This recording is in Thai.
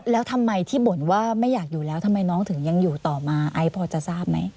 แล้วทำไมที่บ่นว่าไม่อยากอยู่แล้วทำไมน้องถึงยังอยู่ต่อมาไอซ์พอจะทราบไหม